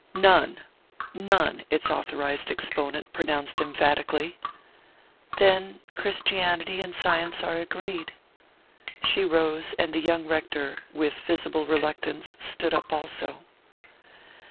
"None none," its authorized exponent pronounced emphatically. "Then Christianity and science are agreed." She rose, and the young rector, with visible reluctance, stood up also.